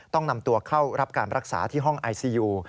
ต้องนำตัวเข้ารับการรักษาที่ห้องไอซียู